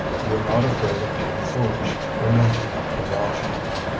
We are not afraid of being foolish, romantic, illogical.